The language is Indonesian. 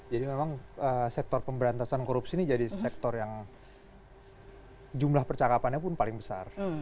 jadi memang sektor pemberantasan korupsi ini jadi sektor yang jumlah percakapannya pun paling besar